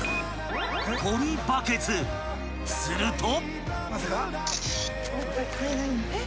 ［すると］